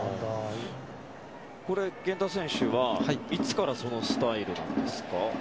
源田選手はいつからそのスタイルなんですか。